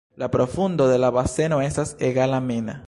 La profundo de la baseno estas egala min.